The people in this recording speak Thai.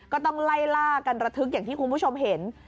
ก็ต้องไล่ล่ากันระทึกอย่างที่คุณผู้ชมเห็น